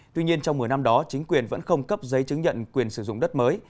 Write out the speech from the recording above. tuy nhiên trong một mươi năm đó chính quyền vẫn không cấp giấy chứng nhận quyền sử dụng đất mới